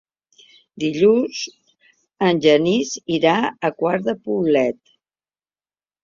Dilluns en Genís irà a Quart de Poblet.